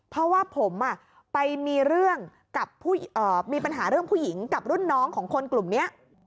เพราะว่าผมไปมีเรื่องกับมีปัญหาเรื่องผู้หญิงกับรุ่นน้องของคนกลุ่มนี้